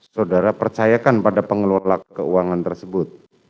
saudara percayakan pada pengelola keuangan tersebut